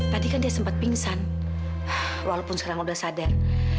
tadi kan dia sempat pingsan walaupun sekarang udah sadar